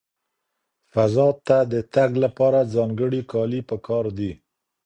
فضا ته د تګ لپاره ځانګړي کالي پکار دي.